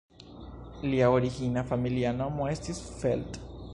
Lia origina familia nomo estis "Feld".